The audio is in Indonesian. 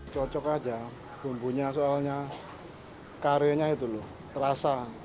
cocok aja bumbunya soalnya kare nya itu loh terasa